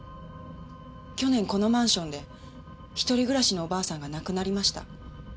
去年このマンションで一人暮らしのおばあさんが亡くなりました。